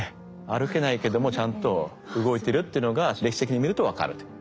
歩けないけどもちゃんと動いてるというのが歴史的に見ると分かるという。